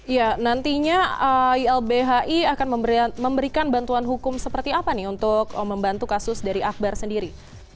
ya nantinya ilbhi akan memberikan bantuan hukum seperti apa nih untuk membantu kasus dari akbar sendiri